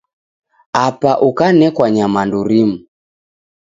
Apa ukanekwa nyamandu rimu